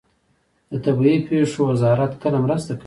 د طبیعي پیښو وزارت کله مرسته کوي؟